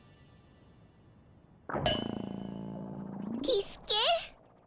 キスケ。